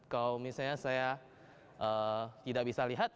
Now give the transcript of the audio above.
kalau misalnya saya tidak bisa lihat